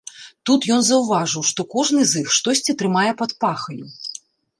Тут ён заўважыў, што кожны з іх штосьці трымае пад пахаю.